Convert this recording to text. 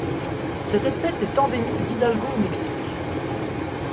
Cette espèce est endémique d'Hidalgo au Mexique.